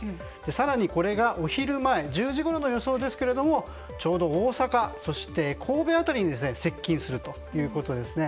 更に、これがお昼前１０時ごろの予想ですけれどもちょうど大阪、そして神戸辺りに接近するということですね。